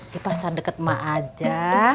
di pasar deket ma aja